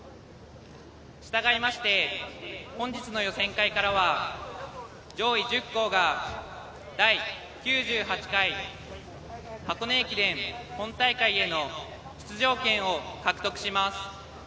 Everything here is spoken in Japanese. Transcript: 従いまして、本日の予選会からは上位１０校が第９８回箱根駅伝本大会への出場権を獲得します。